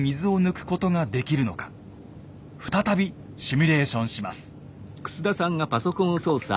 再びシミュレーションします。